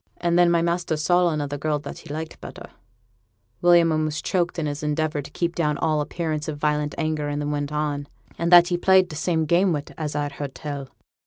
And then my master saw another girl, that he liked better' William almost choked in his endeavour to keep down all appearance of violent anger, and then went on, 'and that he played t' same game wi', as I've heerd tell.'